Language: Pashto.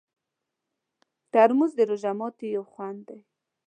ترموز د روژه ماتي یو خوند دی.